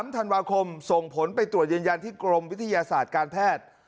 ธันวาคมส่งผลไปตรวจยืนยันที่กรมวิทยาศาสตร์การแพทย์